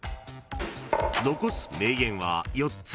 ［残す名言は４つ］